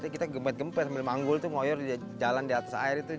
kita gempet gempet sambil manggul itu ngoyor jalan di atas air itu